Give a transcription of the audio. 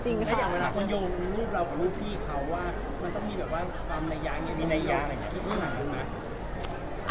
คุณยงรูปเรากับรูปพี่เขาว่ามันต้องมีแบบว่าความนัยย้างอย่างนี้มีนัยย้างอะไรอย่างนี้ที่พี่หาด้วยมั้ย